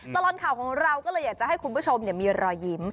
ตลอดข่าวของเราก็เลยอยากจะให้คุณผู้ชมมีรอยยิ้ม